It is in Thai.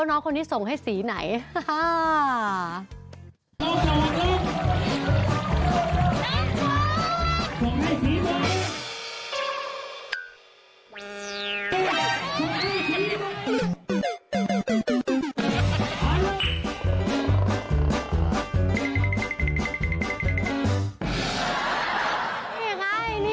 นี่ค่ะนี่ค่ะ